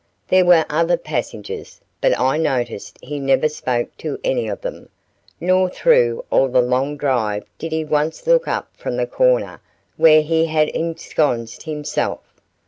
There were other passengers, but I noticed he never spoke to any of them, nor through all the long drive did he once look up from the corner where he had ensconced himself.